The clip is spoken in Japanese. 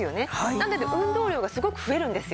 なので運動量がすごく増えるんですよ。